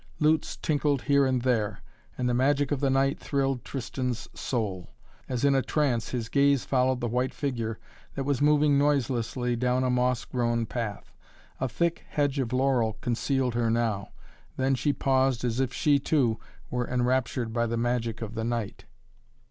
Lutes tinkled here and there. And the magic of the night thrilled Tristan's soul. As in a trance his gaze followed the white figure that was moving noiselessly down a moss grown path. A thick hedge of laurel concealed her now. Then she paused as if she, too, were enraptured by the magic of the night.